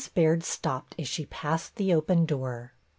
Baird stopped as she passed the open door.